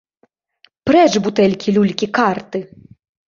Прэч бутэлькі, люлькі, карты!